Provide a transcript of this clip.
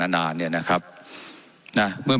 ว่าการกระทรวงบาทไทยนะครับ